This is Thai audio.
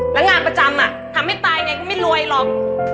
แล้วงานประจำทำให้ตายไงกูไม่รวยหรอก